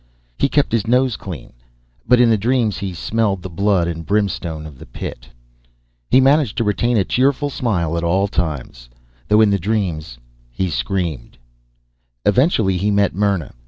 He kept his nose clean but in the dreams he smelled the blood and brimstone of the pit. He managed to retain a cheerful smile at all times though, in the dreams, he screamed. Eventually, he even met Myrna.